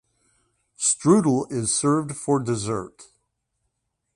Strudel is served for dessert.